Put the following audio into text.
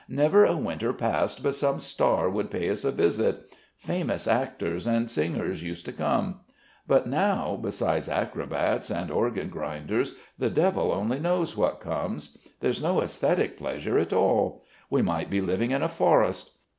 "Never a winter passed but some star would pay us a visit. Famous actors and singers used to come ... but now, besides acrobats and organ grinders, the devil only knows what comes. There's no aesthetic pleasure at all.... We might be living in a forest.